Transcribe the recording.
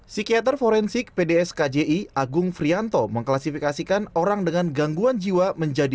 psikiater forensik pds kji agung frianto mengklasifikasikan orang dengan gangguan jiwa menjadi